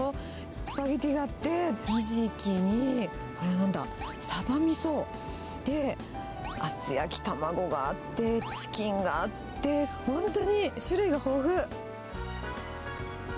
スパゲティだって、ひじきに、あれなんだ、サバみそ、で、厚焼き卵があって、チキンがあって、本当に種類が豊富。